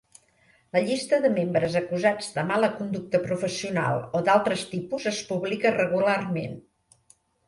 La llista de membres acusats de mala conducta professional o d'altres tipus es publica regularment.